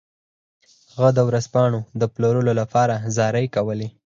هغه د ورځپاڼو د پلورلو لپاره زارۍ کولې.